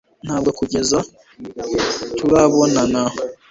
ntabwo kugeza turabonana